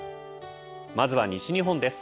まずは西日本です。